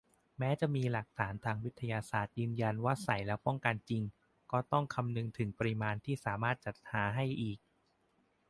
แม้จะมีหลักฐานทางวิทยาศาสตร์ยืนยันว่าใส่แล้วป้องกันจริง ก็ต้องคำนึงถึงปริมาณที่สามารถจัดหาให้อีก